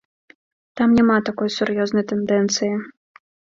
Там няма такой сур'ёзнай тэндэнцыі.